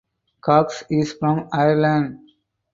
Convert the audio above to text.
Cox is from Ireland.